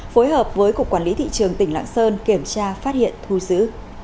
phối hợp với cục quản lý thị trường tỉnh lạng sơn kiểm tra phát hiện thu giữ